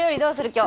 今日。